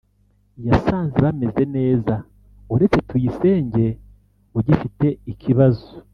yasanze bameze neza uretse Tuyisenge ugifite ikibazo